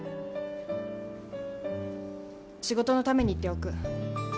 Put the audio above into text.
仕事のために言っておく。